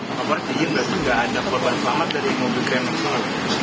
apa berarti juga ada korban selamat dari mobil grand max